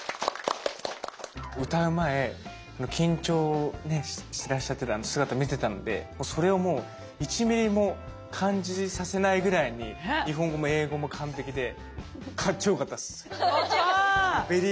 歌う前緊張ねしてらっしゃってたあの姿見てたのでそれをもう１ミリも感じさせないぐらいに日本語も英語も完璧でかっちょよかったっす。